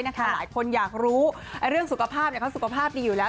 หลายคนอยากรู้เรื่องสุขภาพเขาสุขภาพดีอยู่แล้ว